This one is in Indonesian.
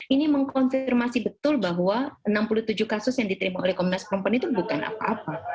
ini mengkonfirmasi betul bahwa enam puluh tujuh kasus yang diterima oleh komnas perempuan itu bukan apa apa